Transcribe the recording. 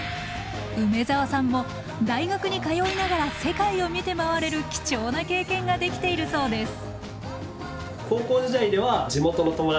梅澤さんも大学に通いながら世界を見て回れる貴重な経験ができているそうです。